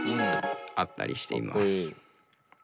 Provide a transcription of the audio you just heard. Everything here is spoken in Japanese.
あったりしています。